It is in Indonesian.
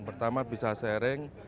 pertama bisa sering